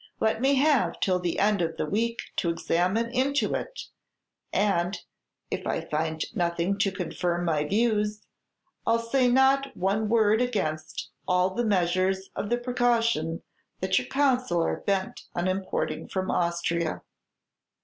Let me have till the end of the week to examine into it, and, if I find nothing to confirm my views, I 'll say not one word against all the measures of precaution that your Council are bent on importing from Austria."